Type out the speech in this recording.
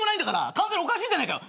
完全におかしいじゃねえかよ！